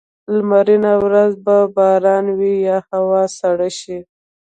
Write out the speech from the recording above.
لمرینه ورځ به باران وي یا هوا سړه شي.